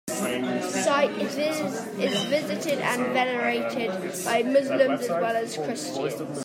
The site is visited and venerated by Muslims as well as Christians.